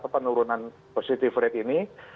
penurunan positif rate ini